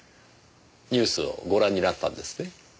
ニュースをご覧になったんですね？